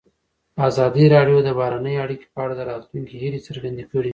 ازادي راډیو د بهرنۍ اړیکې په اړه د راتلونکي هیلې څرګندې کړې.